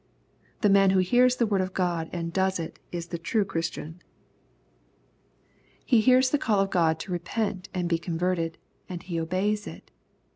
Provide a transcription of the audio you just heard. The man who hears the word of God, and does it, is the true Christian. He hears the call of God t/O repent end be converted, and he obeys it.